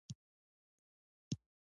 شرکتونه د چاپیریال ساتنې لپاره کار کوي؟